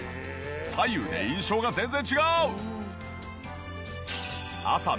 左右で印象が全然違う！